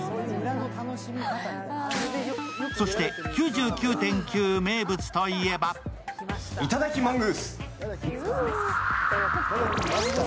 そして、「９９．９」名物といえばいただきマングース。